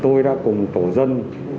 tôi đã cùng tổ dân